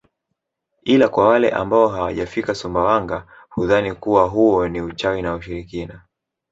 Ila kwa wale ambao hawajafika Sumbawanga hudhani kuwa huo ni uchawi na ushirikina